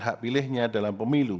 hak pilihnya dalam pemilu